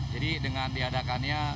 jadi dengan diadakannya